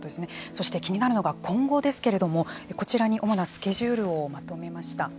そして、気になるのが今後ですけれどもこちらに主なスケジュールをまとめました。